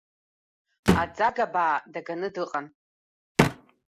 Аӡага баа даганы дыҟан.